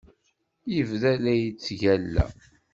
Yebda la yettgalla.